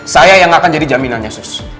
saya yang akan jadi jaminannya sus